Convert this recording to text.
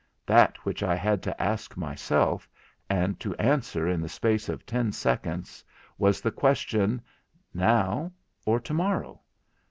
That which I had to ask myself, and to answer in the space of ten seconds, was the question, 'Now, or to morrow?'